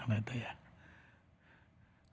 aduh saya gak berani ngomong